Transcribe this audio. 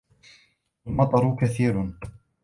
الْمَطَرُ كَثِيرٌ.